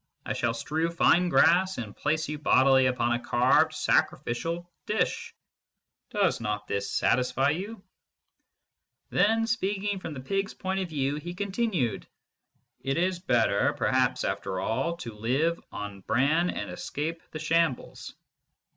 I shall strew fine grass, and place you bodily upon a carved sacrificial dish. Does not this satisfy you ? Then, speaking from the pigs point of view, he continued : It is better, perhaps, after all, to live on bran and escape the shambles.